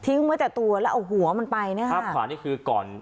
ไว้แต่ตัวแล้วเอาหัวมันไปนะครับภาพขวานี่คือก่อน